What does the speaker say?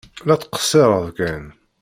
La ttqeṣṣireɣ kan!